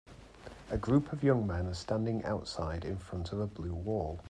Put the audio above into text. A group of young men are standing outside in front of a blue wall.